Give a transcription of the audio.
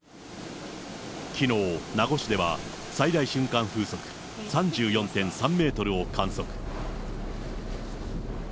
きのう、名護市では最大瞬間風速３４．３メートルを観測。